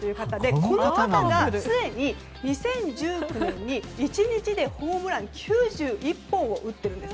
この方、すでに２０１９年に１日でホームラン９１本を打っているんです。